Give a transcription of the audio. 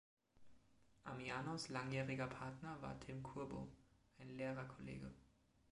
Ammianos langjähriger Partner war Tim Curbo, ein Lehrerkollege.